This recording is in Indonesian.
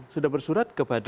sudah bersurat kepada